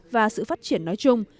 và sự phát triển nói chung